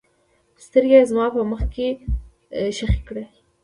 سترګې یې زما په مخ کې ښخې کړې.